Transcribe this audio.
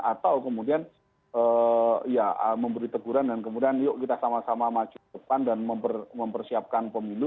atau kemudian ya memberi teguran dan kemudian yuk kita sama sama maju depan dan mempersiapkan pemilu